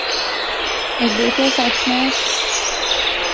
Es biju pilsētas mērs.